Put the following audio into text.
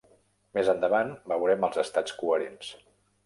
Més endavant veurem els estats coherents.